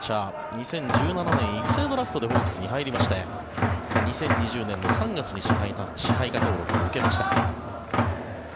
２０１７年、育成ドラフトでホークスに入りまして２０２０年の３月に支配下登録を受けました。